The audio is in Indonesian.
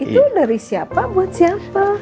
itu dari siapa buat siapa